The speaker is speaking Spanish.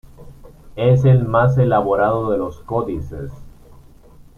Es el más elaborado de los códices.